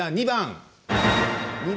２番。